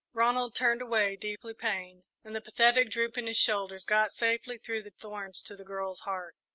Ronald turned away, deeply pained, and the pathetic droop in his shoulders got safely through the thorns to the girl's heart.